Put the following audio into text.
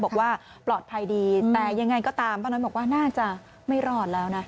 บอกว่าปลอดภัยดีแต่ยังไงก็ตามป้าน้อยบอกว่าน่าจะไม่รอดแล้วนะ